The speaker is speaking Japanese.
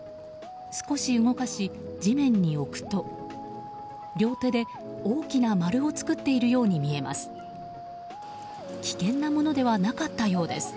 少し動かし、地面に置くと両手で大きな丸を作っているように見えます。